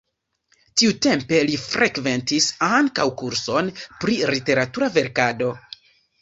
Tiutempe li frekventis ankaŭ kurson pri literatura verkado.